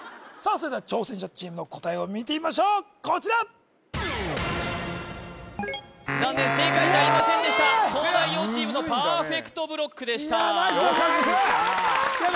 それでは挑戦者チームの答えを見てみましょうこちら残念正解者いませんでした東大王チームのパーフェクトブロックでしたいやあナイスナイスやっ